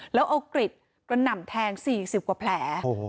แล้วเอากริจกำลังหนำแทง๔๐กว่าแผล